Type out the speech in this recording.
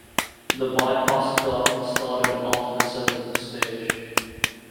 The bypass duct started after the seventh stage.